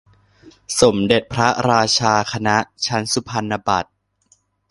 สมเด็จพระราชาคณะ ชั้นสุพรรณบัตร